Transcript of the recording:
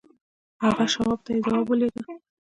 هغه شواب ته يې ځواب ولېږه.